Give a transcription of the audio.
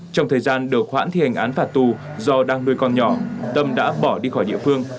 trong thời gian được khoản thi hành án phạt tù do đang nuôi con nhỏ tâm đã bỏ đi khỏi địa phương